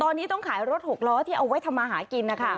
ตอนนี้ต้องขายรถหกล้อที่เอาไว้ทำมาหากินนะคะ